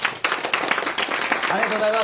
ありがとうございます。